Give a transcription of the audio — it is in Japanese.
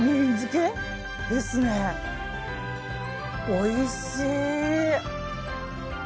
おいしい！